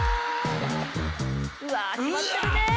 うわっ決まってるねえ！